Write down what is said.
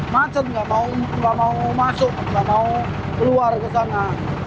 macet enggak mau masuk enggak mau keluar ke sana